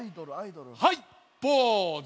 はいポーズ！